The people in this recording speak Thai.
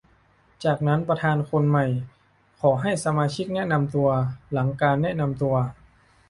จากนั้นประธานคนใหม่ขอให้สมาชิกแนะนำตัว หลังการแนะนำตัว